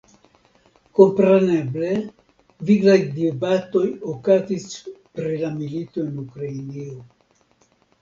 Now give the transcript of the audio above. Kompreneble viglaj debatoj okazis pri la milito en Ukrainio.